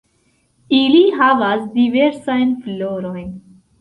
Ili havas diversajn florojn.